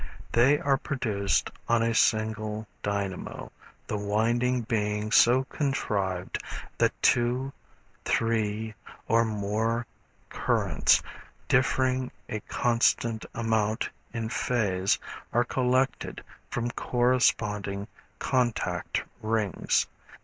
They are produced on a single dynamo, the winding being so contrived that two, three or more currents differing a constant amount in phase are collected from corresponding contact rings.